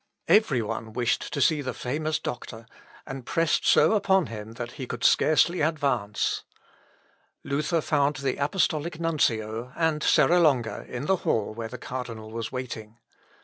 Every one wished to see the famous doctor, and pressed so upon him that he could scarcely advance. Luther found the Apostolical Nuncio, and Serra Longa, in the hall where the cardinal was waiting.